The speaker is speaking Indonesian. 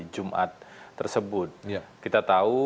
jumat tersebut kita tahu